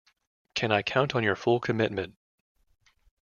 Can I count on your full commitment?